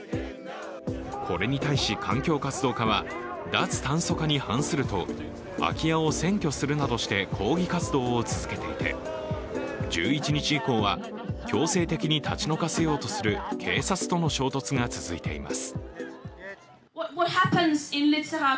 これに対し環境活動家は脱炭素化に反すると、空き家を占拠するなどして抗議活動を続けていて１１日以降は強制的に立ち退かせようとする警察との衝突が続いています。